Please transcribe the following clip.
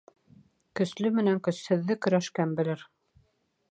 Көслө менән көсһөҙҙө көрәшкән белер.